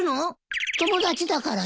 友達だからよ。